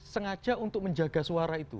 sengaja untuk menjaga suara itu